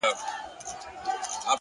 هره پریکړه نوی لوری جوړوي.!